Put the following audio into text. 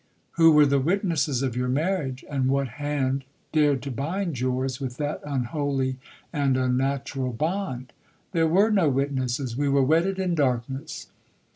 '—'Who were the witnesses of your marriage, and what hand dared to bind yours with that unholy and unnatural bond?'—'There were no witnesses—we were wedded in darkness.